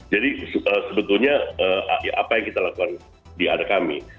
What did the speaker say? jadi sebetulnya apa yang kita lakukan di adek kami